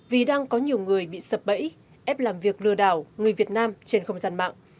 vì đang có nhiều người bị sập bẫy ép làm việc lừa đảo người việt nam trên không gian mạng